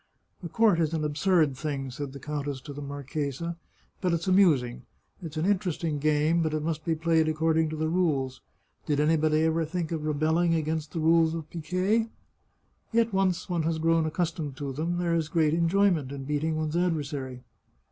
" A court is an absurd thing," said the countess to the marchesa, " but it's amusing. It's an interesting game, but it must be played according to the rules. Did anybody ever think of rebelling against the rules of piquet? Yet once one has grown accustomed to them, there is great enjoyment in beating one's adversary."